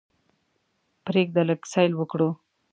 پریږده لږ سیل وکړو.